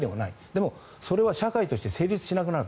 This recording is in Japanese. でも、それは社会として成立しなくなる。